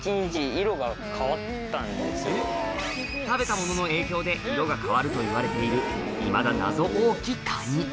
食べたものの影響で色が変わるといわれているいまだ謎多きカニ